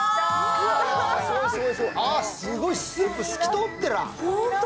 すごい、スープ透き通ってら。